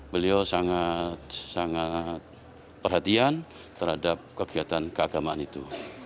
beliau sangat sangat perhatian terhadap kegiatan keagamaan itu